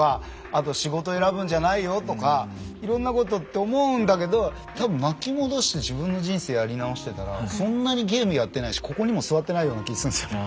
あと「仕事選ぶんじゃないよ」とかいろんなことって思うんだけど多分巻き戻して自分の人生やり直してたらそんなにゲームやってないしここにも座ってないような気するんすよね。